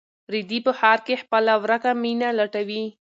رېدی په ښار کې خپله ورکه مینه لټوي.